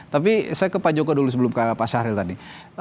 tapi saya ke pak joko dulu sebelum ke pak syahril tadi